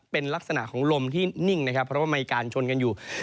เป็นลักษณะของลมที่นิ่งนะครับเพราะว่ามีการชนกันอยู่